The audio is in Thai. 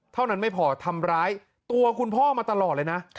เท่านั้นไม่พอทำร้ายตัวคุณพ่อมาตลอดเลยนะ